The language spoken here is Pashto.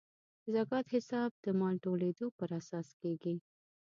د زکات حساب د مال د ټولیدو پر اساس کیږي.